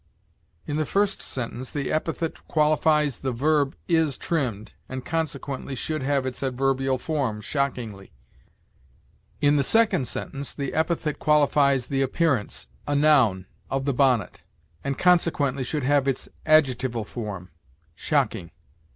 In the first sentence the epithet qualifies the verb is trimmed, and consequently should have its adverbial form shockingly; in the second sentence the epithet qualifies the appearance a noun of the bonnet, and consequently should have its adjectival form shocking.